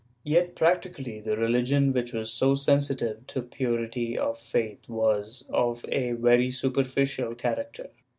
Yet practically the religion which was so sensitive as to purity of faith was of a very superficial character.